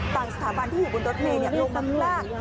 ต่างสถาบันที่อยู่บนรถเมย์โยงมาพลาก